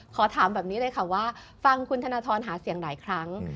ขอถามแบบนี้เลยค่ะว่าฟังคุณธนทรหาเสียงหลายครั้ง